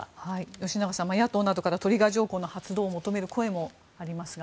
吉永さん、野党などからトリガー条項の発動を求める声もありますが。